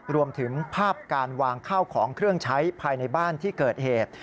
รวมถึงภาพการวางข้าวของเครื่องใช้ภายในบ้านที่เกิดเหตุ